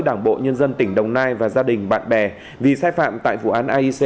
đảng bộ nhân dân tỉnh đồng nai và gia đình bạn bè vì sai phạm tại vụ án aic